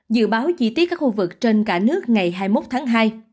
dự báo chi tiết các khu vực trên cả nước ngày hai mươi một tháng hai